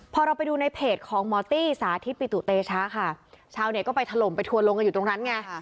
พอเราไปดูในเพจของหมอตี้สาธิตปิตุเตชะค่ะชาวเน็ตก็ไปถล่มไปทัวร์ลงกันอยู่ตรงนั้นไง